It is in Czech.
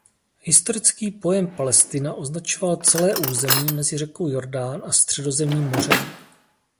Historicky pojem Palestina označoval celé území mezi řekou Jordán a Středozemním mořem.